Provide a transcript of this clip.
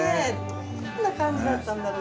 どんな感じだったんだろう。